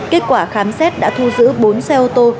kết quả khám xét đã thu giữ bốn xe ô tô